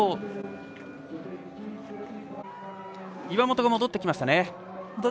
岩本、戻ってきました。